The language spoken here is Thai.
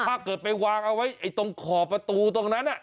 ถ้าเกิดไปวางเอาไว้ตรงขอบประตูตรงนั้น